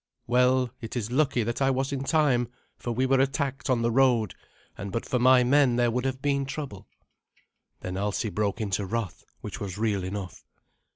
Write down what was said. Well, it is lucky that I was in time, for we were attacked on the road, and but for my men there would have been trouble." Then Alsi broke into wrath, which was real enough.